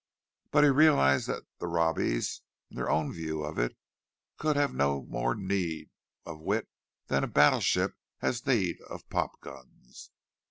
But he realized that the Robbies, in their own view of it, could have no more need of wit than a battleship has need of popguns.